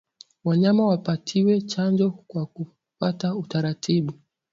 Wanyama wapatiwe chanjo kwa kufata utaratibu